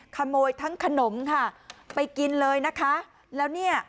ขโมยทั้งขนมค่ะไปกินเลยนะคะแล้วเนี่ย